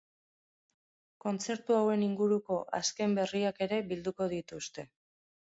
Kontzertu hauen inguruko azken berriak ere bilduko dituzte.